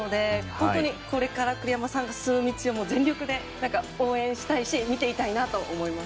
本当にこれから栗山さんが進む道は全力で応援したいし見ていたいなと思います。